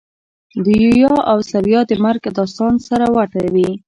د یویا او ثویا د مرګ داستان سره ورته وي.